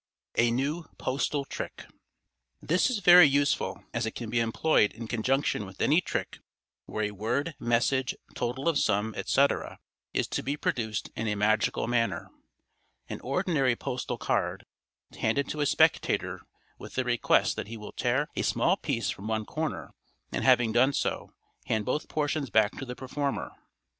A New Postal Trick.—This is very useful, as it can be employed in conjunction with any trick where a word, message, total of sum, etc., is to be produced in a magical manner. An ordinary postal card is handed to a spectator with a request that he will tear a small piece from one corner, and having done so, hand both portions back to the performer.